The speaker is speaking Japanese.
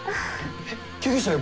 えっ救急車呼ぶ？